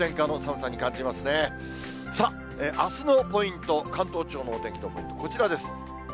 さあ、あすのポイント、関東地方のお天気のポイント、こちらです。